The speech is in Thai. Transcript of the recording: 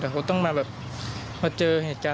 มันเจอหัวเร่งมีมากเลยเพราะเสียงระเบิดเยอะมาก